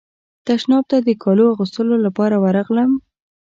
تشناب ته د کالو اغوستلو لپاره ورغلم.